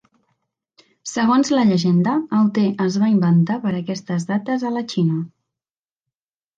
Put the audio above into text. Segons la llegenda, el te es va inventar per aquestes dates a la Xina.